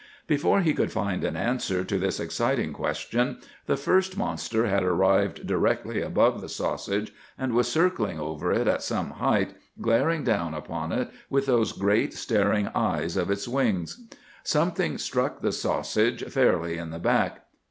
Before he could find an answer to this exciting question, the first monster had arrived directly above the sausage and was circling over it at some height, glaring down upon it with those great staring eyes of its wings. Something struck the sausage fairly in the back.